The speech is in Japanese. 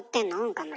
岡村。